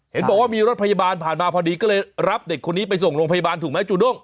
เห็นบอกว่ามีรถพยาบาลผ่านมาพอดีก็เลยรับเด็กคนนี้ไปส่งโรงพยาบาลถูกไหมจูด้ง